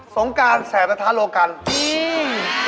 สงการแสบและทารโลกัณฑ์